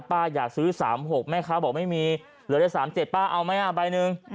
ป้าอยากซื้อ๓๖แม่ค้าบอกไม่มีเหลือได้๓๗ป้าเอาไหมอ่ะใบหนึ่ง